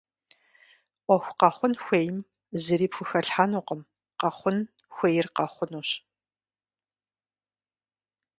Ӏуэху къэхъун хуейм зыри пхухэлъхьэнукъым - къэхъун хуейр къэхъунущ.